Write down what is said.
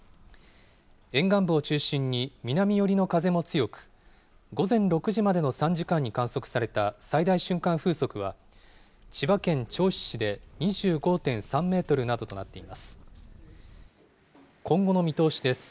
沿岸部を中心に南寄りの風も強く、午前６時までの３時間に観測された最大瞬間風速は、千葉県銚子市で２５．３メートルなどとなっています。